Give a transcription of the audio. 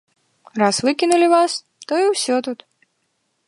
Раз выкінулі вас, то і ўсё тут.